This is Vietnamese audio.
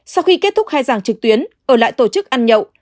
sau khi kết thúc khai giảng trực tuyến ở lại tổ chức ăn nhậu